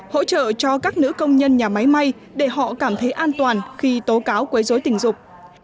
hỗ trợ cho các nữ công nhân nhà máy may để họ cảm thấy an toàn khi tố cáo quấy dối tình dục